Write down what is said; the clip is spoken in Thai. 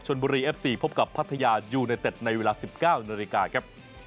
บุรีเอฟซีพบกับพัทยายูไนเต็ดในเวลา๑๙นาฬิกาครับ